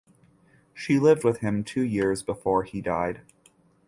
She lived with him two years before he died.